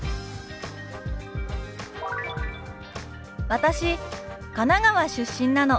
「私神奈川出身なの」。